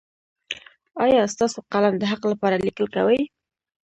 ایا ستاسو قلم د حق لپاره لیکل کوي؟